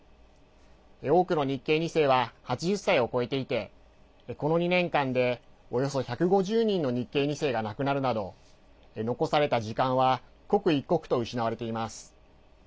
多くの日系２世は８０歳を超えていてこの２年間で、およそ１５０人の日系２世が亡くなるなど残された時間は刻一刻と失われています。